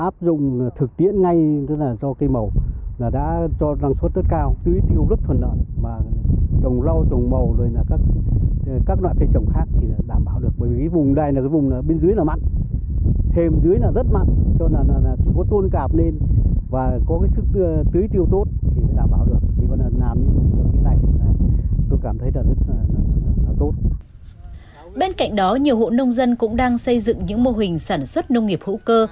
bên cạnh đó nhiều hộ nông dân cũng đang xây dựng những mô hình sản xuất nông nghiệp hữu cơ